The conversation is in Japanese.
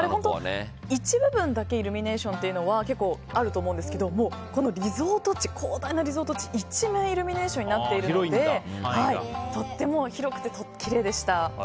一部分だけイルミネーションというのは結構あると思うんですけど広大なリゾート地一面イルミネーションになっているのでとても広くてきれいでした。